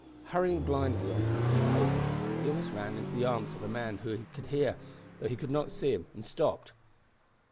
Hurrying blindly on for a few paces, he almost ran into the arms of a man whom he could hear, though he could not see him, and stopped.